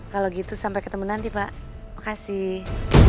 kalau gitu sampai ketemu nanti pak makasih